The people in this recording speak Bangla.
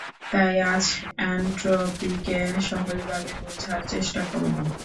তাই আজ এনট্রপিকে সহজভাবে বোঝার চেষ্টা করব।